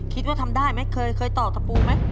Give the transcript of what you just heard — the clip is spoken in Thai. คิดว่าทำได้มั้ยเคยตอบทะพูมั้ย